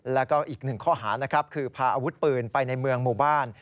แล้วก็อีกหนึ่งข้อหานะครับคือพาอาวุธปืนไปในเมืองหมู่บ้าน